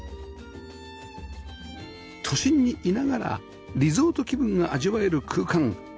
都心にいながらリゾート気分が味わえる空間